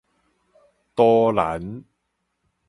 都蘭